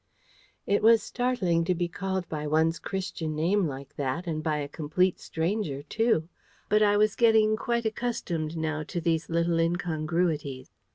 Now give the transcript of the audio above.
It was startling to be called by one's Christian name like that, and by a complete stranger, too; but I was getting quite accustomed now to these little incongruities.